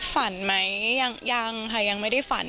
ฝันไหมยังค่ะยังไม่ได้ฝัน